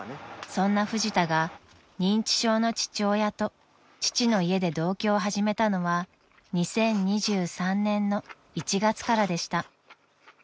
［そんなフジタが認知症の父親と父の家で同居を始めたのは２０２３年の１月からでした］